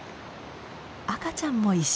赤ちゃんも一緒。